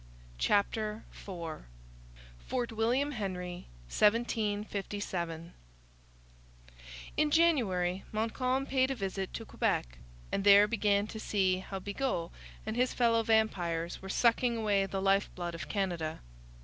CHAPTER IV FORT WILLIAM HENRY 1757 In January Montcalm paid a visit to Quebec, and there began to see how Bigot and his fellow vampires were sucking away the life blood of Canada.